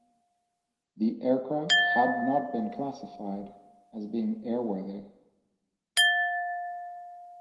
The aircraft had not been classified as being airworthy.